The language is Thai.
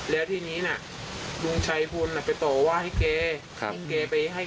แล้วทีนี้ลุงชายพลไปต่อว่าให้เก